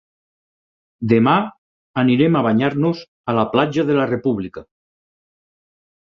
Demà anirem a banyar-nos a la platja de la República.